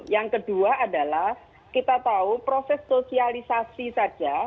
yang kedua adalah kita tahu proses sosialisasi saja